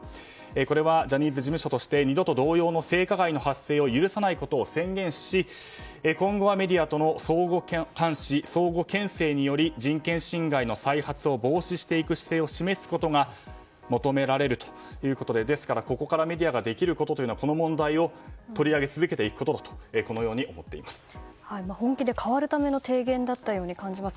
これはジャニーズ事務所として二度と同様の性加害の発生が起きないことを宣言し、今後はメディアとの相互監視、相互牽制により人権侵害の再発を防止していく姿勢を示すことが求められるということでここからメディアができることはこの問題を取り上げ続けていくことだと本気で変わるための提言だったように感じます。